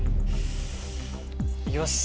いきます